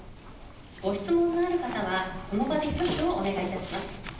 ご質問がある方はその場で挙手をお願いいたします。